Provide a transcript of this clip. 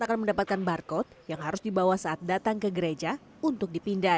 akan mendapatkan barcode yang harus dibawa saat datang ke gereja untuk dipindah